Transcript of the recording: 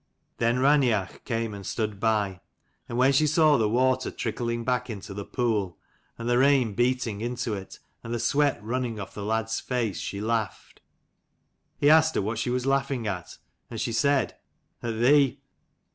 Then Raineach came and stood by; and when she saw the water trickling back into the pool, and the rain beating into it, and the sweat running off the lad's face, she laughed. He asked her what she was laughing at: and she said, "At thee."